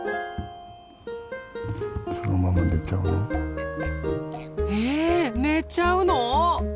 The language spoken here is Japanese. そのまま寝ちゃうの？え寝ちゃうの？